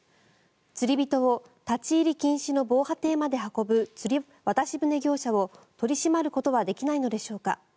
釣り人を立ち入り禁止の防波堤まで運ぶ渡し船業者を取り締まることはできないのでしょうか。